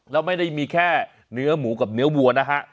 แล้วไม่ได้มีแค่เนื้อหมูกับเนื้อวัวนะฮะ